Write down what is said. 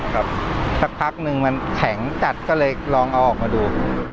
สักพักนึงมันแข็งจัดก็เลยลองเอาออกมาดู